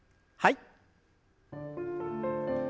はい。